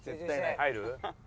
入る？